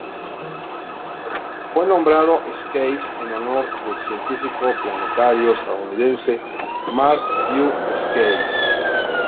Fue nombrado Sykes en honor del científico planetario estadounidense Mark V. Sykes.